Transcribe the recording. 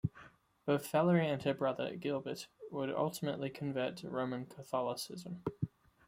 Both Valerie and her brother, Gilbert, would ultimately convert to Roman Catholicism.